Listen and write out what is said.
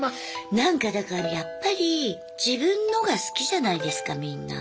なんかだからやっぱり自分のが好きじゃないですかみんな。